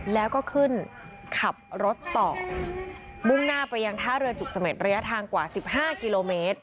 แล้วก็ขึ้นขับรถต่อมุ่งหน้าไปยังท่าเรือจุกเสม็ดระยะทางกว่า๑๕กิโลเมตร